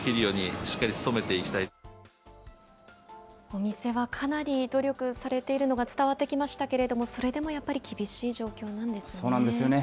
お店はかなり努力されているのが伝わってきましたけれども、それでもやっぱり厳しい状況なんですね。